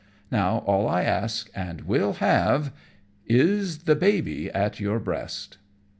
Now all I ask, and will have, is the baby at your breast!"